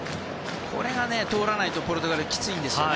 これが通らないとポルトガルはきついんですよね。